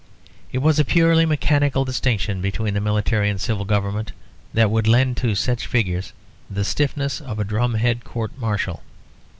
It was a purely mechanical distinction between the military and civil government that would lend to such figures the stiffness of a drumhead court martial.